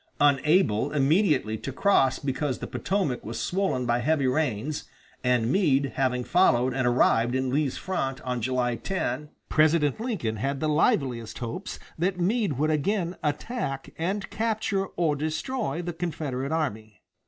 Unable immediately to cross because the Potomac was swollen by heavy rains, and Meade having followed and arrived in Lee's front on July 10, President Lincoln had the liveliest hopes that Meade would again attack and capture or destroy the Confederate army.